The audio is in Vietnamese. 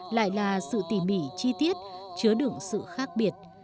lại là sự tỉ mỉ chi tiết chứa đựng sự khác biệt